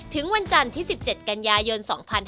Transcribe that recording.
ถึงวันจันทร์๑๗กันยายน๒๕๖๑